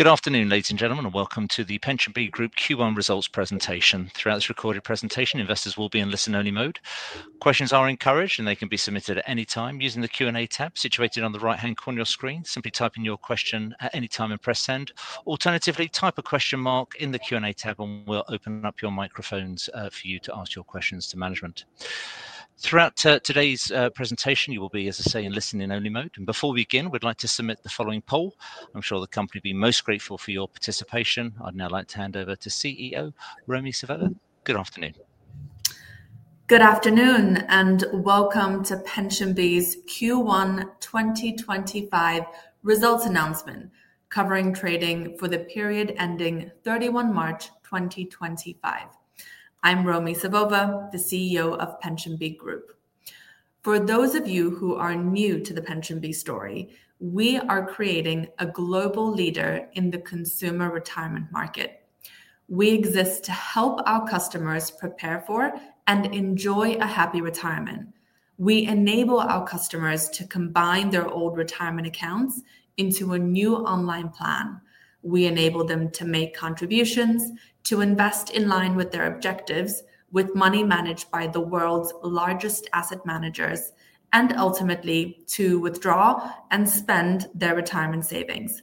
Good afternoon, ladies and gentlemen, and welcome to the PensionBee Group Q1 results presentation. Throughout this recorded presentation, investors will be in listen-only mode. Questions are encouraged, and they can be submitted at any time using the Q&A tab situated on the right-hand corner of your screen. Simply type in your question at any time and press send. Alternatively, type a question mark in the Q&A tab, and we will open up your microphones for you to ask your questions to management. Throughout today's presentation, you will be, as I say, in listen-only mode. Before we begin, we would like to submit the following poll. I am sure the company will be most grateful for your participation. I would now like to hand over to CEO Romi Savova. Good afternoon. Good afternoon, and welcome to PensionBee's Q1 2025 results announcement covering trading for the period ending 31 March 2025. I'm Romi Savova, the CEO of PensionBee Group. For those of you who are new to the PensionBee story, we are creating a global leader in the consumer retirement market. We exist to help our customers prepare for and enjoy a happy retirement. We enable our customers to combine their old retirement accounts into a new online plan. We enable them to make contributions, to invest in line with their objectives with money managed by the world's largest asset managers, and ultimately to withdraw and spend their retirement savings.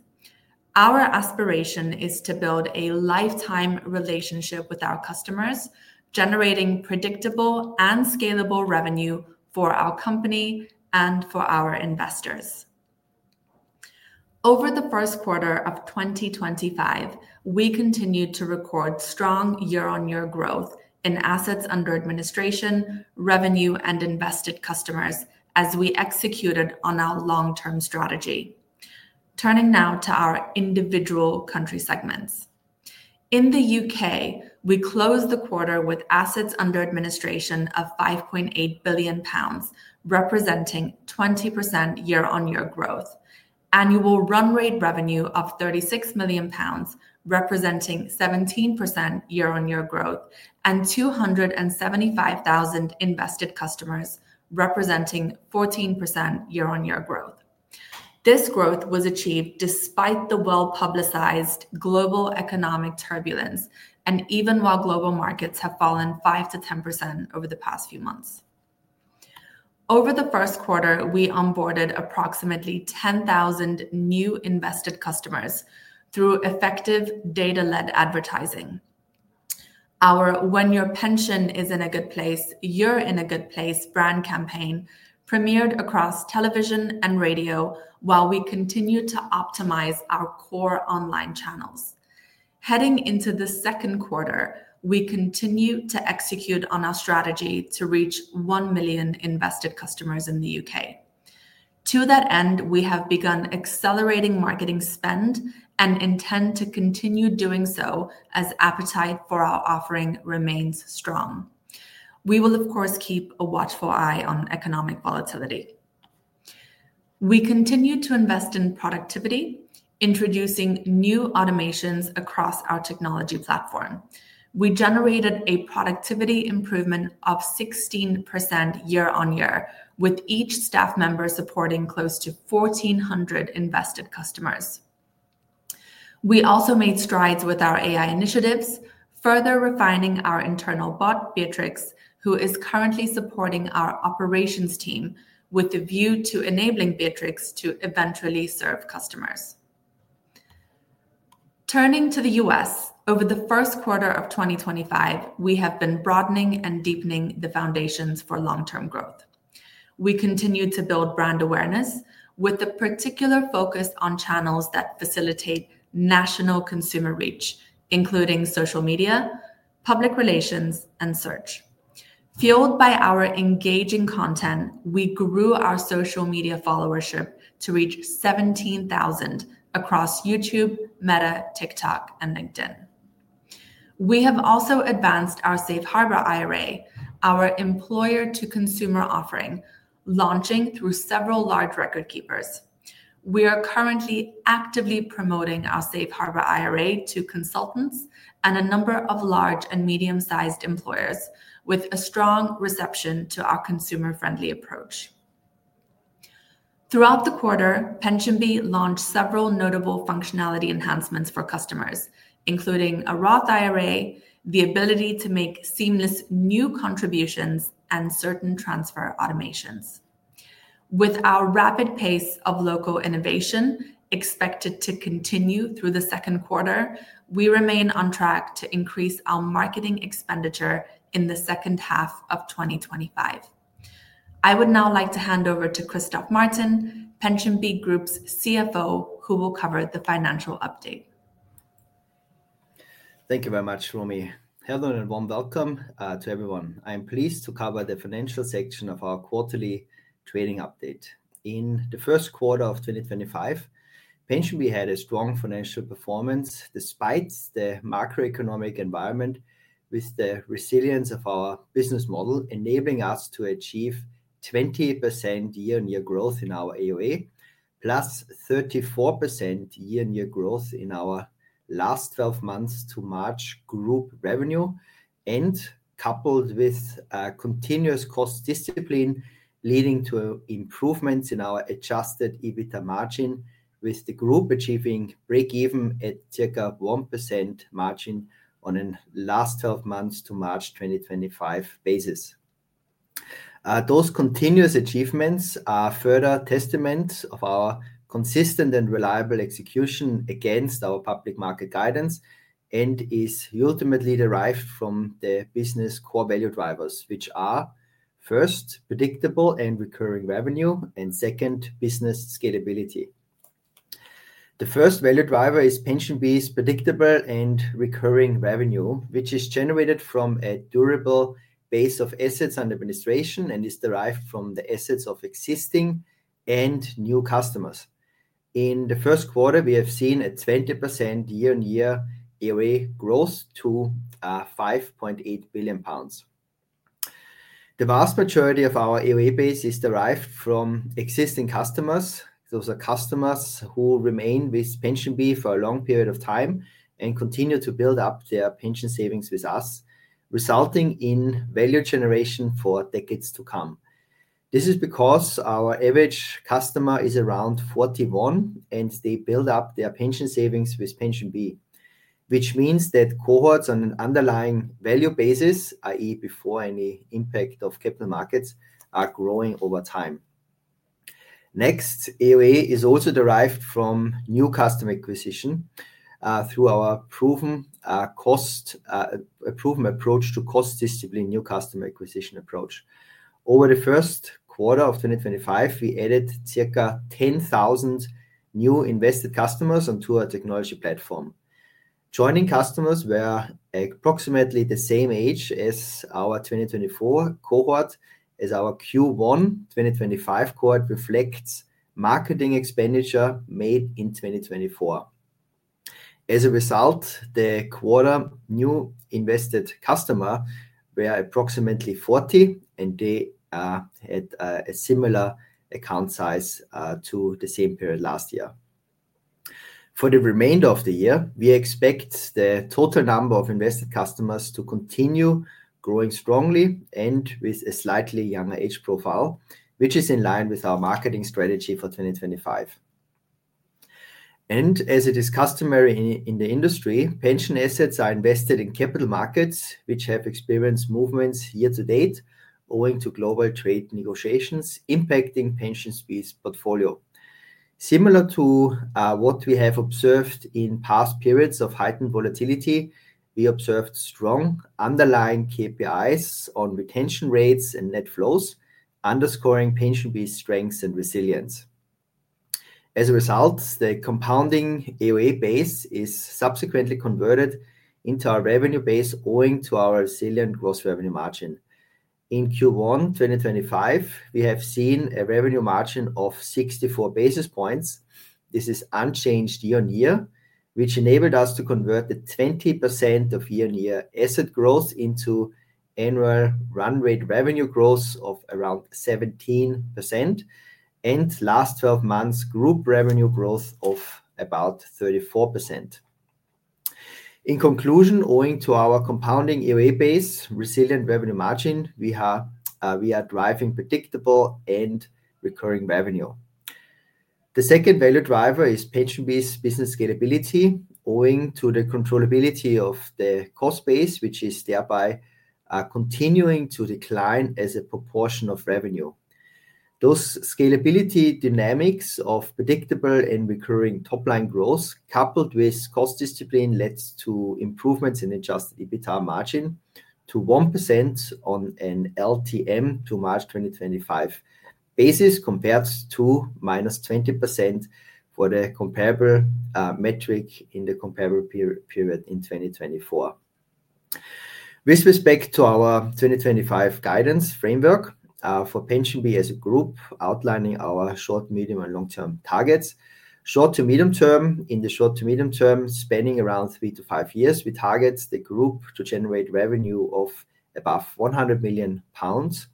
Our aspiration is to build a lifetime relationship with our customers, generating predictable and scalable revenue for our company and for our investors. Over the first quarter of 2025, we continued to record strong year-on-year growth in assets under administration, revenue, and invested customers as we executed on our long-term strategy. Turning now to our individual country segments. In the U.K., we closed the quarter with assets under administration of 5.8 billion pounds, representing 20% year-on-year growth, annual run rate revenue of 36 million pounds, representing 17% year-on-year growth, and 275,000 invested customers, representing 14% year-on-year growth. This growth was achieved despite the well-publicized global economic turbulence and even while global markets have fallen 5%-10% over the past few months. Over the first quarter, we onboarded approximately 10,000 new invested customers through effective data-led advertising. Our "When Your Pension Is in a Good Place, You're in a Good Place" brand campaign premiered across television and radio while we continue to optimize our core online channels. Heading into the second quarter, we continue to execute on our strategy to reach 1 million invested customers in the U.K. To that end, we have begun accelerating marketing spend and intend to continue doing so as appetite for our offering remains strong. We will, of course, keep a watchful eye on economic volatility. We continue to invest in productivity, introducing new automations across our technology platform. We generated a productivity improvement of 16% year-on-year, with each staff member supporting close to 1,400 invested customers. We also made strides with our AI initiatives, further refining our internal bot, Beatrix, who is currently supporting our operations team with the view to enabling Beatrix to eventually serve customers. Turning to the U.S., over the first quarter of 2025, we have been broadening and deepening the foundations for long-term growth. We continue to build brand awareness with a particular focus on channels that facilitate national consumer reach, including social media, public relations, and search. Fueled by our engaging content, we grew our social media followership to reach 17,000 across YouTube, Meta, TikTok, and LinkedIn. We have also advanced our Safe Harbor IRA, our employer-to-consumer offering, launching through several large record keepers. We are currently actively promoting our Safe Harbor IRA to consultants and a number of large and medium-sized employers with a strong reception to our consumer-friendly approach. Throughout the quarter, PensionBee launched several notable functionality enhancements for customers, including a Roth IRA, the ability to make seamless new contributions, and certain transfer automations. With our rapid pace of local innovation expected to continue through the second quarter, we remain on track to increase our marketing expenditure in the second half of 2025. I would now like to hand over to Christoph Martin, PensionBee Group's CFO, who will cover the financial update. Thank you very much, Romi. Hello and a warm welcome to everyone. I am pleased to cover the financial section of our quarterly trading update. In the first quarter of 2025, PensionBee had a strong financial performance despite the macroeconomic environment with the resilience of our business model enabling us to achieve 20% year-on-year growth in our AUA, plus 34% year-on-year growth in our last 12 months to March group revenue. Coupled with continuous cost discipline leading to improvements in our adjusted EBITDA margin, with the group achieving break-even at circa 1% margin on a last 12 months to March 2025 basis. Those continuous achievements are further testaments of our consistent and reliable execution against our public market guidance and is ultimately derived from the business core value drivers, which are, first, predictable and recurring revenue, and second, business scalability. The first value driver is PensionBee's predictable and recurring revenue, which is generated from a durable base of assets under administration and is derived from the assets of existing and new customers. In the first quarter, we have seen a 20% year-on-year AUA growth to 5.8 billion pounds. The vast majority of our AUA base is derived from existing customers. Those are customers who remain with PensionBee for a long period of time and continue to build up their pension savings with us, resulting in value generation for decades to come. This is because our average customer is around 41, and they build up their pension savings with PensionBee, which means that cohorts on an underlying value basis, i.e., before any impact of capital markets, are growing over time. Next, AUA is also derived from new customer acquisition through our proven approach to cost discipline new customer acquisition approach. Over the first quarter of 2025, we added circa 10,000 new invested customers onto our technology platform. Joining customers were approximately the same age as our 2024 cohort, as our Q1 2025 cohort reflects marketing expenditure made in 2024. As a result, the quarter new invested customer were approximately 40, and they had a similar account size to the same period last year. For the remainder of the year, we expect the total number of invested customers to continue growing strongly and with a slightly younger age profile, which is in line with our marketing strategy for 2025. As it is customary in the industry, pension assets are invested in capital markets, which have experienced movements year to date owing to global trade negotiations impacting PensionBee's portfolio. Similar to what we have observed in past periods of heightened volatility, we observed strong underlying KPIs on retention rates and net flows, underscoring PensionBee's strength and resilience. As a result, the compounding AUA base is subsequently converted into our revenue base owing to our resilient gross revenue margin. In Q1 2025, we have seen a revenue margin of 64 basis points. This is unchanged year-on-year, which enabled us to convert the 20% of year-on-year asset growth into annual run rate revenue growth of around 17% and last twelve months group revenue growth of about 34%. In conclusion, owing to our compounding AUA base, resilient revenue margin, we are driving predictable and recurring revenue. The second value driver is PensionBee's business scalability owing to the controllability of the cost base, which is thereby continuing to decline as a proportion of revenue. Those scalability dynamics of predictable and recurring top-line growth coupled with cost discipline led to improvements in adjusted EBITDA margin to 1% on an LTM to March 2025 basis compared to minus 20% for the comparable metric in the comparable period in 2024. With respect to our 2025 guidance framework for PensionBee as a group outlining our short, medium, and long-term targets, short to medium term, in the short to medium term spanning around three to five years, we target the group to generate revenue of above 100 million pounds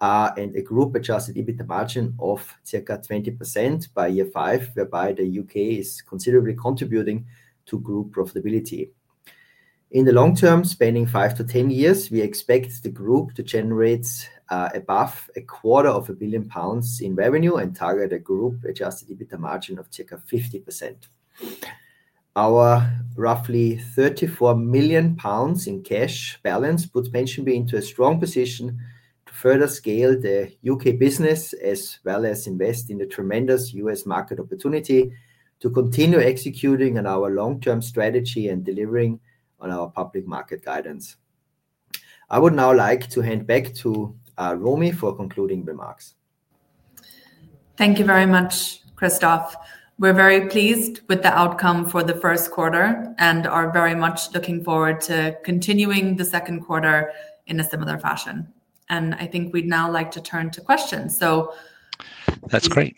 and a group adjusted EBITDA margin of circa 20% by year five, whereby the U.K. is considerably contributing to group profitability. In the long term, spanning five to ten years, we expect the group to generate above a quarter of a billion pounds in revenue and target a group adjusted EBITDA margin of circa 50%. Our roughly 34 million pounds in cash balance puts PensionBee into a strong position to further scale the U.K. business as well as invest in the tremendous U.S. market opportunity to continue executing on our long-term strategy and delivering on our public market guidance. I would now like to hand back to Romi for concluding remarks. Thank you very much, Christoph. We are very pleased with the outcome for the first quarter and are very much looking forward to continuing the second quarter in a similar fashion. I think we would now like to turn to questions. That's great.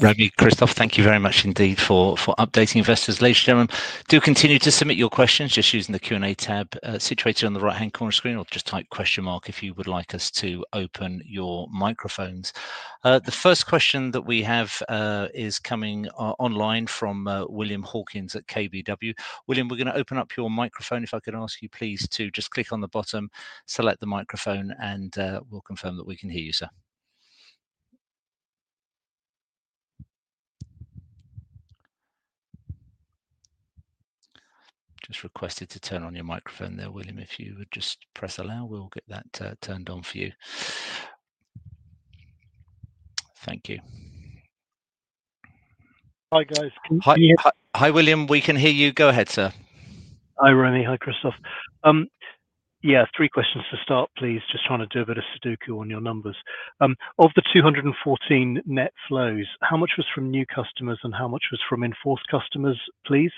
Romi, Christoph, thank you very much indeed for updating investors later, gentlemen. Do continue to submit your questions just using the Q&A tab situated on the right-hand corner screen or just type question mark if you would like us to open your microphones. The first question that we have is coming online from William Hawkins at KBW. William, we're going to open up your microphone if I could ask you, please, to just click on the bottom, select the microphone, and we'll confirm that we can hear you, sir. Just requested to turn on your microphone there, William. If you would just press allow, we'll get that turned on for you. Thank you. Hi, guys. Hi, William. We can hear you. Go ahead, sir. Hi, Romi. Hi, Christoph. Yeah, three questions to start, please. Just trying to do a bit of Sudoku on your numbers. Of the 214 million net flows, how much was from new customers and how much was from enforced customers, please?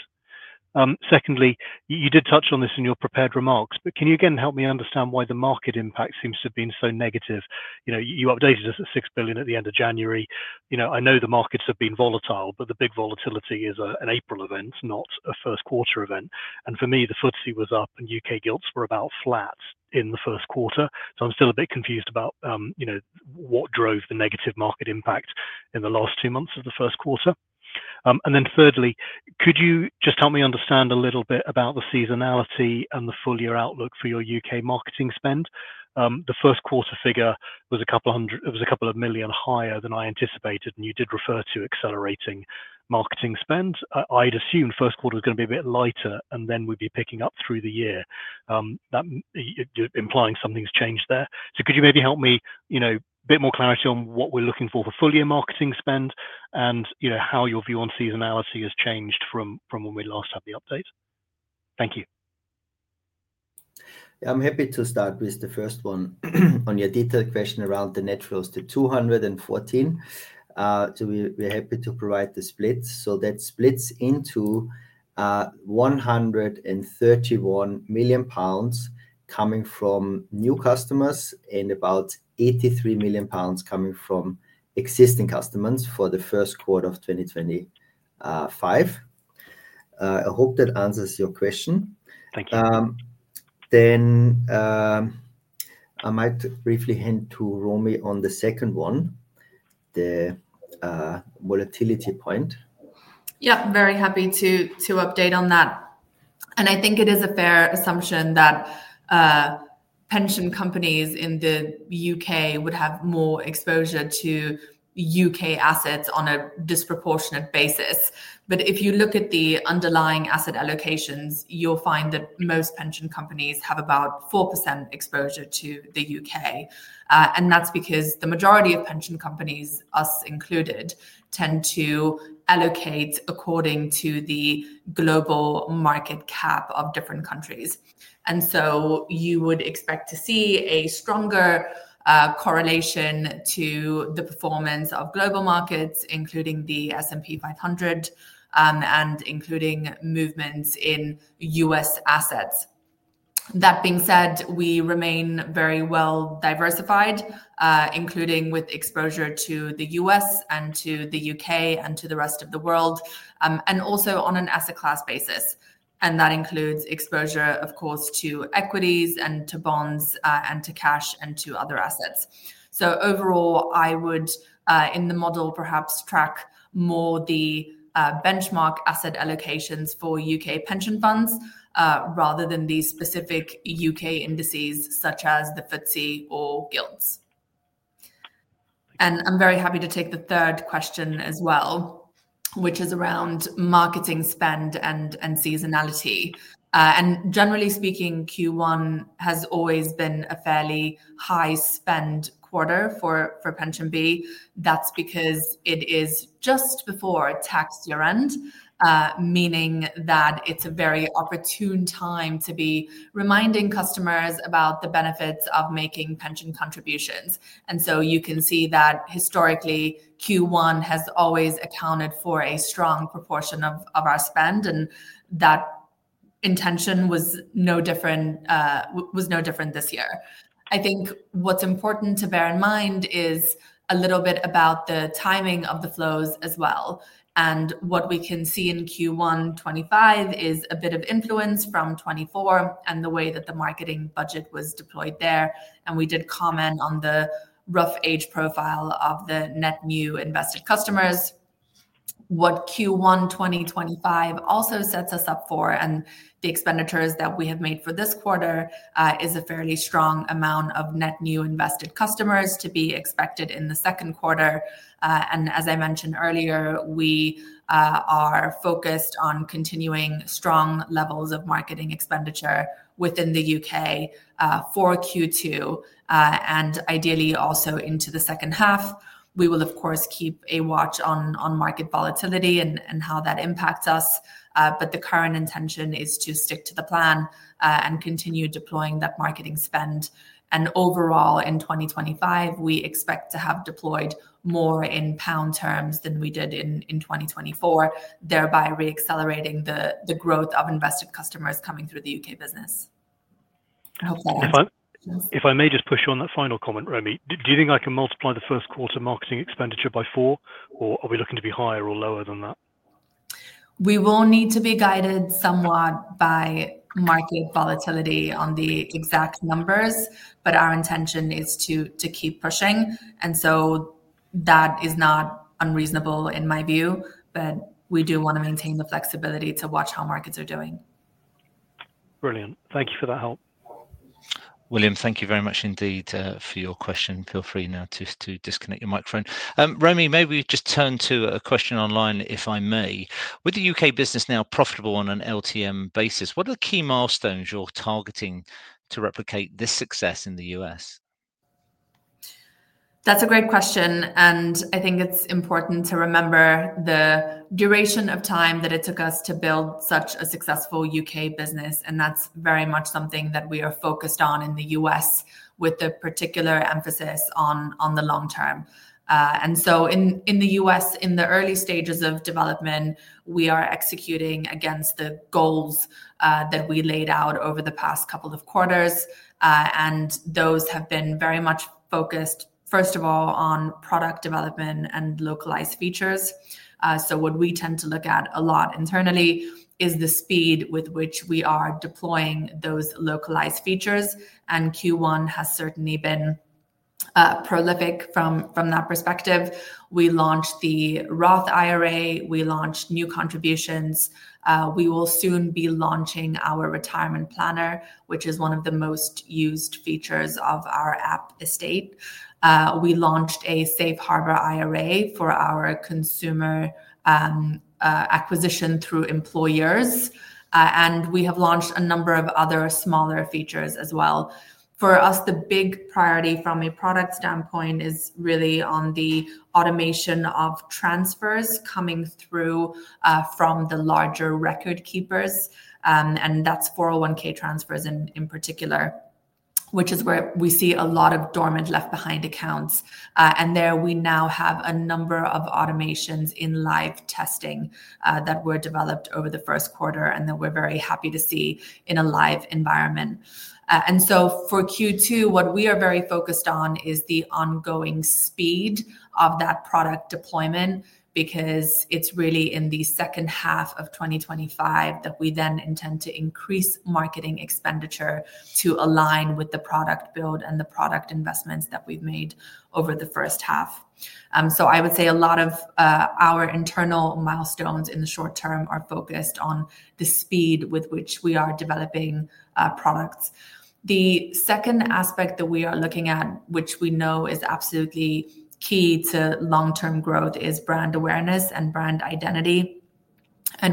Secondly, you did touch on this in your prepared remarks, but can you again help me understand why the market impact seems to have been so negative? You updated us at 6 billion at the end of January. I know the markets have been volatile, but the big volatility is an April event, not a first quarter event. For me, the FTSE was up and U.K. gilts were about flat in the first quarter. I am still a bit confused about what drove the negative market impact in the last two months of the first quarter. Could you just help me understand a little bit about the seasonality and the full year outlook for your U.K. marketing spend? The first quarter figure was a couple of million higher than I anticipated, and you did refer to accelerating marketing spend. I'd assumed first quarter was going to be a bit lighter and then we'd be picking up through the year. That implying something's changed there. Could you maybe help me with a bit more clarity on what we're looking for for full year marketing spend and how your view on seasonality has changed from when we last had the update? Thank you. I'm happy to start with the first one on your detailed question around the net flows to 214 million. We're happy to provide the split. That splits into 131 million pounds coming from new customers and about 83 million pounds coming from existing customers for the first quarter of 2025. I hope that answers your question. I might briefly hand to Romi on the second one, the volatility point. Yeah, very happy to update on that. I think it is a fair assumption that pension companies in the U.K. would have more exposure to U.K. assets on a disproportionate basis. If you look at the underlying asset allocations, you'll find that most pension companies have about 4% exposure to the U.K. That is because the majority of pension companies, us included, tend to allocate according to the global market cap of different countries. You would expect to see a stronger correlation to the performance of global markets, including the S&P 500 and including movements in U.S. assets. That being said, we remain very well diversified, including with exposure to the U.S. and to the U.K. and to the rest of the world, and also on an asset class basis. That includes exposure, of course, to equities and to bonds and to cash and to other assets. Overall, I would, in the model, perhaps track more the benchmark asset allocations for U.K. pension funds rather than these specific U.K. indices such as the FTSE or gilts. I am very happy to take the third question as well, which is around marketing spend and seasonality. Generally speaking, Q1 has always been a fairly high spend quarter for PensionBee. That is because it is just before tax year-end, meaning that it is a very opportune time to be reminding customers about the benefits of making pension contributions. You can see that historically, Q1 has always accounted for a strong proportion of our spend, and that intention was no different this year. I think what's important to bear in mind is a little bit about the timing of the flows as well. What we can see in Q1 2025 is a bit of influence from 2024 and the way that the marketing budget was deployed there. We did comment on the rough age profile of the net new invested customers. What Q1 2025 also sets us up for and the expenditures that we have made for this quarter is a fairly strong amount of net new invested customers to be expected in the second quarter. As I mentioned earlier, we are focused on continuing strong levels of marketing expenditure within the U.K. for Q2 and ideally also into the second half. We will, of course, keep a watch on market volatility and how that impacts us. The current intention is to stick to the plan and continue deploying that marketing spend. Overall, in 2025, we expect to have deployed more in GBP terms than we did in 2024, thereby re-accelerating the growth of invested customers coming through the U.K. business. I hope that helps. If I may just push on that final comment, Romi, do you think I can multiply the first quarter marketing expenditure by four, or are we looking to be higher or lower than that? We will need to be guided somewhat by market volatility on the exact numbers, but our intention is to keep pushing. That is not unreasonable in my view, but we do want to maintain the flexibility to watch how markets are doing. Brilliant. Thank you for that help. William, thank you very much indeed for your question. Feel free now to disconnect your microphone. Romi, maybe we just turn to a question online, if I may. With the U.K. business now profitable on an LTM basis, what are the key milestones you're targeting to replicate this success in the US? That's a great question. I think it's important to remember the duration of time that it took us to build such a successful U.K. business. That's very much something that we are focused on in the U.S. with the particular emphasis on the long term. In the U.S., in the early stages of development, we are executing against the goals that we laid out over the past couple of quarters. Those have been very much focused, first of all, on product development and localized features. What we tend to look at a lot internally is the speed with which we are deploying those localized features. Q1 has certainly been prolific from that perspective. We launched the Roth IRA. We launched new contributions. We will soon be launching our retirement planner, which is one of the most used features of our app, to date. We launched a Safe Harbor IRA for our consumer acquisition through employers. We have launched a number of other smaller features as well. For us, the big priority from a product standpoint is really on the automation of transfers coming through from the larger record keepers. That is 401(k) transfers in particular, which is where we see a lot of dormant left-behind accounts. There we now have a number of automations in live testing that were developed over the first quarter and that we are very happy to see in a live environment. For Q2, what we are very focused on is the ongoing speed of that product deployment because it is really in the second half of 2025 that we then intend to increase marketing expenditure to align with the product build and the product investments that we have made over the first half. I would say a lot of our internal milestones in the short term are focused on the speed with which we are developing products. The second aspect that we are looking at, which we know is absolutely key to long-term growth, is brand awareness and brand identity.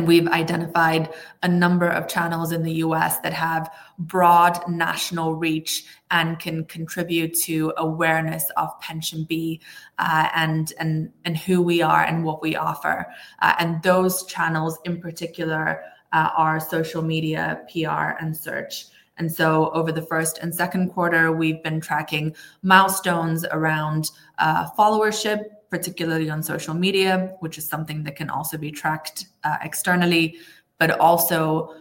We have identified a number of channels in the US that have broad national reach and can contribute to awareness of PensionBee and who we are and what we offer. Those channels in particular are social media, PR, and search. Over the first and second quarter, we have been tracking milestones around followership, particularly on social media, which is something that can also be tracked externally, but also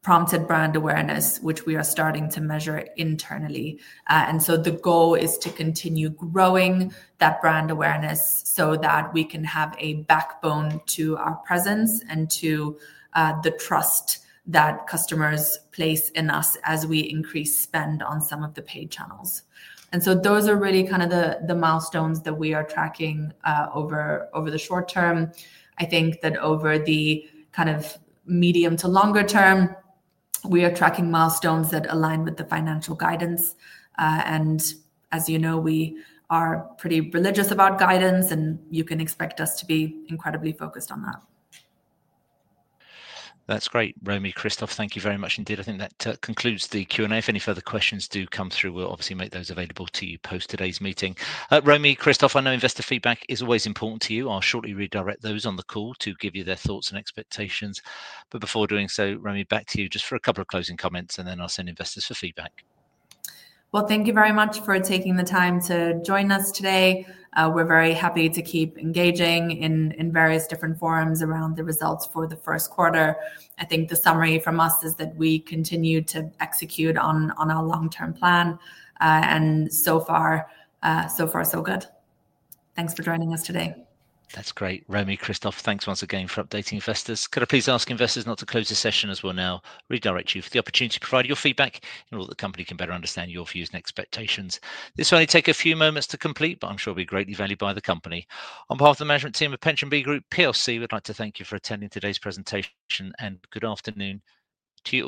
prompted brand awareness, which we are starting to measure internally. The goal is to continue growing that brand awareness so that we can have a backbone to our presence and to the trust that customers place in us as we increase spend on some of the paid channels. Those are really kind of the milestones that we are tracking over the short term. I think that over the kind of medium to longer term, we are tracking milestones that align with the financial guidance. As you know, we are pretty religious about guidance, and you can expect us to be incredibly focused on that. That's great. Romi, Christoph, thank you very much indeed. I think that concludes the Q&A. If any further questions do come through, we'll obviously make those available to you post today's meeting. Romi, Christoph, I know investor feedback is always important to you. I'll shortly redirect those on the call to give you their thoughts and expectations. Before doing so, Romi, back to you just for a couple of closing comments, and then I'll send investors for feedback. Thank you very much for taking the time to join us today. We're very happy to keep engaging in various different forums around the results for the first quarter. I think the summary from us is that we continue to execute on our long-term plan. So far, so good. Thanks for joining us today. That's great. Romi, Christoph, thanks once again for updating investors. Could I please ask investors not to close the session as we'll now redirect you for the opportunity to provide your feedback in order that the company can better understand your views and expectations? This will only take a few moments to complete, but I'm sure it'll be greatly valued by the company. On behalf of the management team of PensionBee Group, we'd like to thank you for attending today's presentation and good afternoon to you.